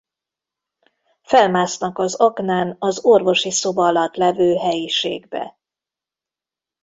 Felmásznak az aknán az orvosi szoba alatt levő helyiségbe.